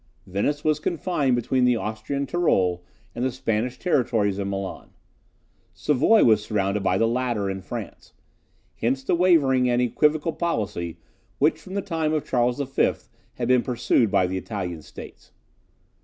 Venice was confined between the Austrian Tyrol and the Spanish territories in Milan. Savoy was surrounded by the latter and France. Hence the wavering and equivocal policy, which from the time of Charles V. had been pursued by the Italian States.